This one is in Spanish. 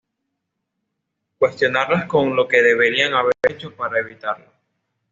cuestionarlas con lo que deberían haber hecho para evitarlo